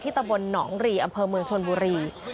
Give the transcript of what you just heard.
ตะบลหนองรีอำเภอเมืองชนบุรี